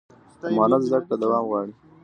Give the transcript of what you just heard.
د مهارت زده کړه دوام غواړي.